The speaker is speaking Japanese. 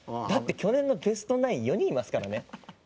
だって去年のベストナイン４人いますからね。